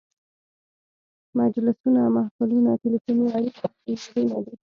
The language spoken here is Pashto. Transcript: مجلسونه، محفلونه، تلیفوني اړیکې او ایمیلونه دي.